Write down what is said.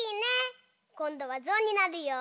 こんどはぞうになるよ！